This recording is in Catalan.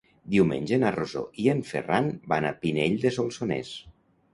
Diumenge na Rosó i en Ferran van a Pinell de Solsonès.